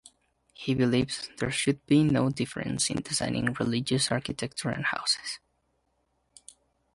He believes there should be no difference in designing religious architecture and houses.